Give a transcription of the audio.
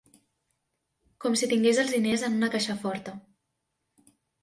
Com si tingués els diners en una caixa forta.